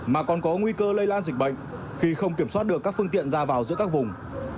mà còn có nguy cơ lây lan dịch bệnh khi không kiểm soát được các phương tiện ra vào giữa các vùng